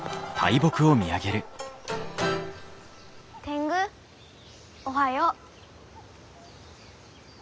天狗おはよう。